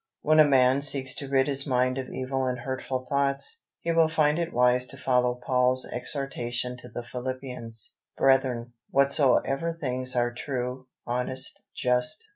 When a man seeks to rid his mind of evil and hurtful thoughts, he will find it wise to follow Paul's exhortation to the Philippians: "Brethren, whatsoever things are true,... honest,... just